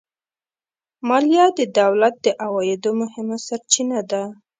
مالیه د دولت د عوایدو مهمه سرچینه ده